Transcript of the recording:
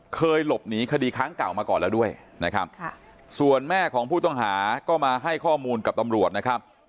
เคยหลบหนีคดีครั้งเก่ามาก่อนแล้วด้วยนะครับส่วนแม่ของผู้ต้องหาก็มาให้ข้อมูลกับตำรวจนะครับ